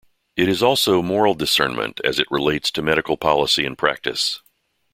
It is also moral discernment as it relates to medical policy and practice.